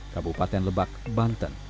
kabupaten lebak banten